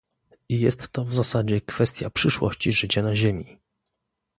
Jest to w zasadzie kwestia przyszłości życia na Ziemi